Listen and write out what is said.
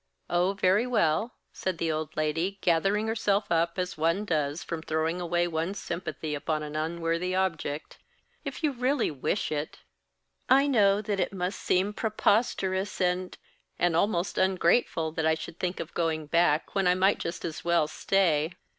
"Oh, very well," said the old lady, gathering herself up as one does from throwing away one's sympathy upon an unworthy object; "if you really wish it " "I know that it must seem preposterous and and almost ungrateful that I should think of going back, when I might just as well stay.